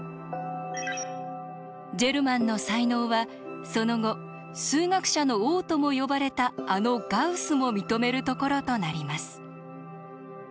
ジェルマンの才能はその後「数学者の王」とも呼ばれたあのガウスも認めるところとなります。